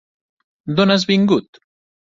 D'on has vingut?